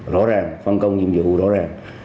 rõ ràng phân công nhiệm vụ rõ ràng